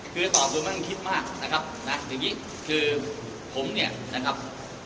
คือตอบตัวมันคิดมากนะครับจริงคือผมเนี่ยนะครับ